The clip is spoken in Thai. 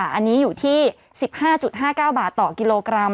อันนี้อยู่ที่๑๕๕๙บาทต่อกิโลกรัม